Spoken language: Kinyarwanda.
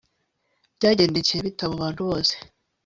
Byagendekeye bite abo bantu bose